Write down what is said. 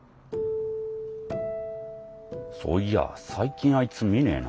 そういや最近あいつ見ねえな。